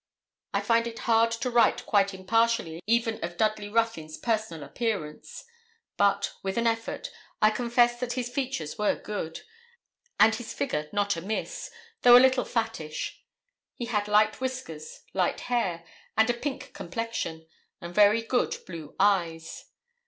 I find it hard to write quite impartially even of Dudley Ruthyn's personal appearance; but, with an effort, I confess that his features were good, and his figure not amiss, though a little fattish. He had light whiskers, light hair, and a pink complexion, and very good blue eyes.